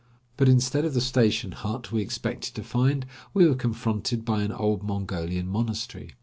But instead of the station hut we expected to find, we were confronted by an old Mongolian monastery.